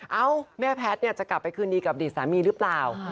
เอ้าแม่แพทย์จะกลับไปคืนดีกับอดีตสามีหรือเปล่า